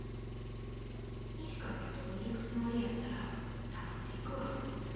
西川さんとこに行くつもりやったら黙って行くわ。